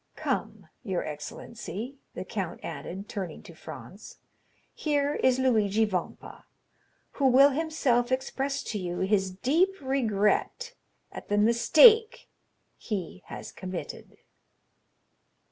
Come, your excellency," the count added, turning to Franz, "here is Luigi Vampa, who will himself express to you his deep regret at the mistake he has committed."